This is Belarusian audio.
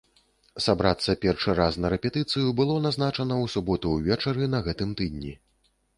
Сабрацца першы раз на рэпетыцыю было назначана ў суботу ўвечары на гэтым тыдні.